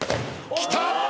きた！